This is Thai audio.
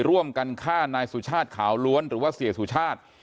ร่วมกันฆ่านายสุชาติขาวล้วนหรือว่าเสียสุชาติ